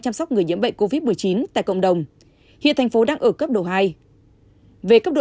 chăm sóc người nhiễm bệnh covid một mươi chín tại cộng đồng hiện thành phố đang ở cấp độ hai